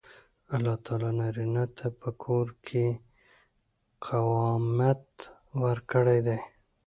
الله تعالی نارینه ته په کور کې قوامیت ورکړی دی.